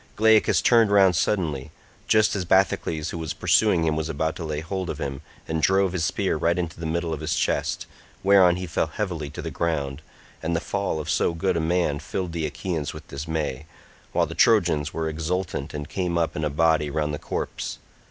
Glaucus turned round suddenly, just as Bathycles who was pursuing him was about to lay hold of him, and drove his spear right into the middle of his chest, whereon he fell heavily to the ground, and the fall of so good a man filled the Achaeans with dismay, while the Trojans were exultant, and came up in a body round the corpse.